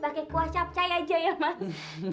bagi kuah capcay aja ya mas